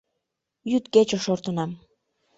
Йӱд-кече шортынам.